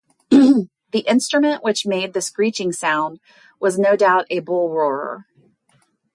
The instrument which made the screeching sound was no doubt a bullroarer.